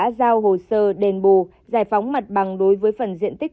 bà loan đã giao hồ sơ đền bù giải phóng mặt bằng đối với phần diện tích